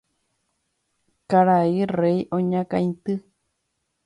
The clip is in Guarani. Karai rey oñakãity.